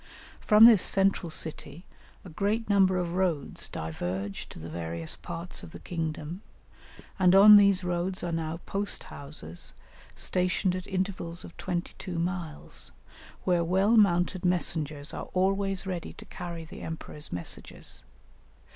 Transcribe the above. From this central city a great number of roads diverge to the various parts of the kingdom, and on these roads are now post houses stationed at intervals of twenty two miles, where well mounted messengers are always ready to carry the emperor's messages.